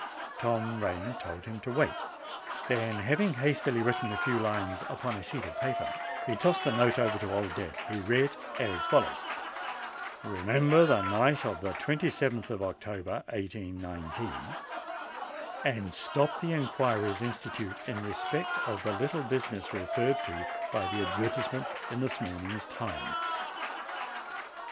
Tom Rain told him to wait; then, having hastily written a few lines upon a sheet of paper, he tossed the note over to Old Death, who read as follows:— "Remember the night of the 27th of October, 1819;—and stop the inquiries instituted in respect to the little business referred to by the advertisement in this morning's Times."